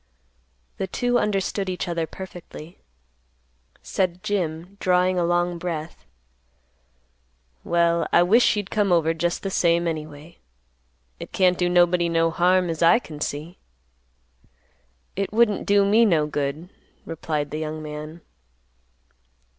The two understood each other perfectly. Said Jim, drawing a long breath, "Well I wish you'd come over just the same, anyway. It can't do nobody no harm as I can see." "It wouldn't do me no good," replied the young man.